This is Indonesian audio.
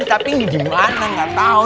tapi ini dimana gak tau